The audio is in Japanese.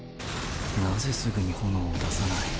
何故すぐに炎を出さない。